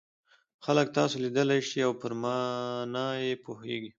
خلک تاسو لیدلای شي او پر مانا یې پوهیږي.